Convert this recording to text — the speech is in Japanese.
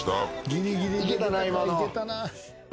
ギリギリ。いけたな今の。